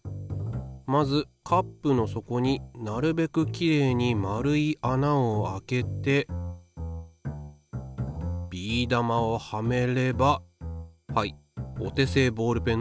まずカップの底になるべくきれいに円い穴を開けてビー玉をはめればはいお手製ボールペンの出来上がり。